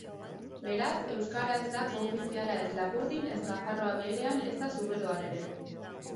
Beraz, euskara ez da koofiziala ez Lapurdin, ez Nafarroa Beherean ezta Zuberoan ere.